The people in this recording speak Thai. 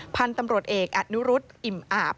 พันธุ์ตำรวจเอกอนุรุษอิ่มอาบ